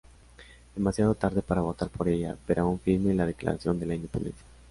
Demasiado tarde para votar por ella, pero aún firme la Declaración de la Independencia.